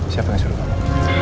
siapa yang suruh kamu